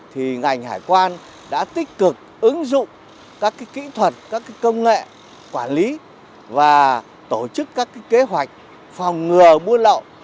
thì ngành hải quan đã tích cực ứng dụng các kỹ thuật các công nghệ quản lý và tổ chức các kế hoạch phòng ngừa buôn lậu